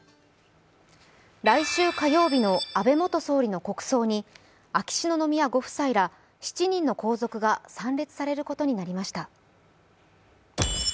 来週火曜日の安倍元総理の国葬に秋篠宮ご夫妻ら７人の皇族が参列されることになりました。